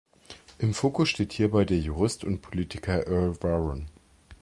Im Fokus steht hierbei der Jurist und Politiker Earl Warren.